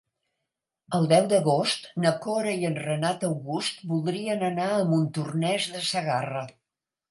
El deu d'agost na Cora i en Renat August voldrien anar a Montornès de Segarra.